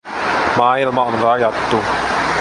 Maailma on rajattu.